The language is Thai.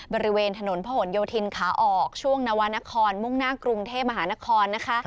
บริเวณถนนพระหลโยธินขาออกช่วงนวรรณครมุ่งหน้ากรุงเทพมหานครนะคะ